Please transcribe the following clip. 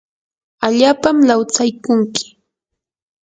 allapam lawsaykunki